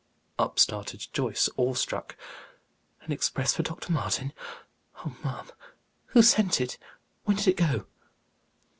Up started Joyce, awe struck. "An express for Dr. Martin! Oh, ma'am! Who sent it? When did it go?"